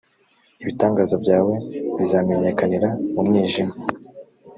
ibitangaza byawe bizamenyekanira mu mwijima